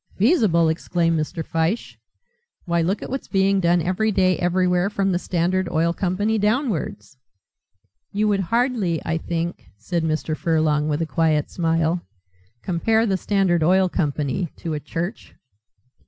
"Feasible!" exclaimed Mr. Fyshe. "Why look what's being done every day everywhere, from the Standard Oil Company downwards." "You would hardly, I think," said Mr. Furlong, with a quiet smile, "compare the Standard Oil Company to a church?"